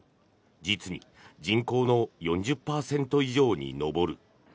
実に人口の４０％以上に上る。